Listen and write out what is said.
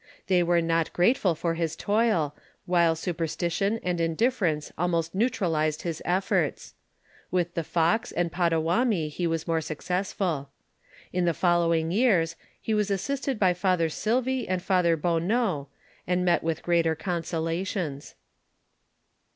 They were not grateful for his toil, while superstition, and indifference almost neutralized his efforts. With the Fox and Pottawatomi, he was more successful In the following years, he was assisted by F. Silvy and F. Bonneault, and met with greater consolations.